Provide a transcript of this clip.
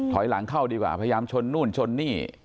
ถอยหลังเข้าดีกว่าพยายามชนนู่นชนนี่